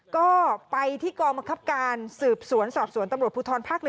ก็ไปที่กองบังคับการสืบสวนสอบสวนตำรวจภูทรภาค๑